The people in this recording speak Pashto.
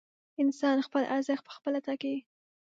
انسان خپل ارزښت پخپله ټاکي.